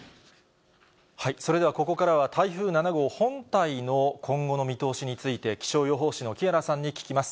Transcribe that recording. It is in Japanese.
それでは、ここからは台風７号本体の今後の見通しについて、気象予報士の木原さんに聞きます。